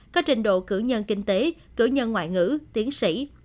có trình độ cử nhân kinh tế cử nhân ngoại ngữ tiến sĩ